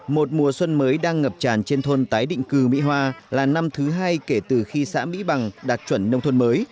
một mùa xuân mới đang ngập tràn trên thôn tái định cư mỹ hoa là năm thứ hai kể từ khi xã mỹ bằng đạt chuẩn nông thôn mới